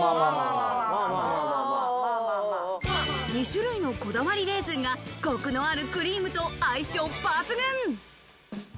２種類のこだわりレーズンがコクのあるクリームと相性抜群。